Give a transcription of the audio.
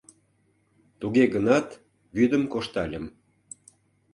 Туге гынат вӱдым коштальым.